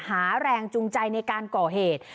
หาแรงจูงใจในการก่อเหตุ